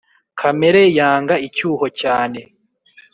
kamere yanga icyuho cyane